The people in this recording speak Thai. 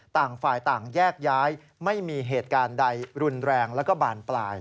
ต่างฝ่ายต่างแยกย้ายไม่มีเหตุการณ์ใดรุนแรงแล้วก็บานปลาย